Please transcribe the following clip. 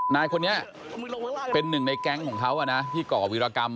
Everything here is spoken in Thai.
นายคนนี้เป็นหนึ่งในแก๊งของเขาที่ก่อวิรากรรม